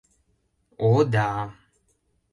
— О да!